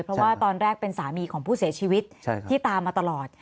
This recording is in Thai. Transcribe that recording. เพราะว่าตอนแรกเป็นสามีของผู้เสียชีวิตที่ตามมาตลอด